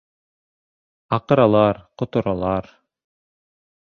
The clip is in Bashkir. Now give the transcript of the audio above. Аҡыралар, ҡоторалар...